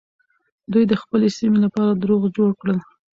دوی د خپلې سيمې لپاره دروغ جوړ کړل.